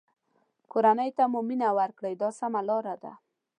کورنۍ ته مو مینه ورکړئ دا سمه لاره ده.